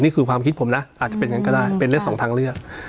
นี่คือความคิดผมนะอาจจะเป็นอย่างนั้นก็ได้เป็นเรื่องสองทางเลือก